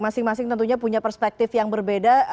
masing masing tentunya punya perspektif yang berbeda